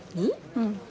うん。